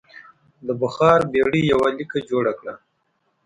د بخار بېړۍ یوه لیکه جوړه کړه.